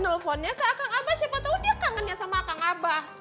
nelponnya ke akang abah siapa tahu dia kangen sama akang abah